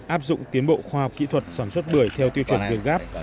áp dụng tiến bộ khoa học kỹ thuật sản xuất bưởi theo tiêu chuẩn việt gáp